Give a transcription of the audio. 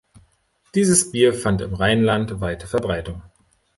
Dieses Bier fand im Rheinland weite Verbreitung.